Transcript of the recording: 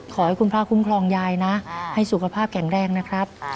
ขอให้คุณพระคุ้มครองยายนะให้สุขภาพแข็งแรงนะครับ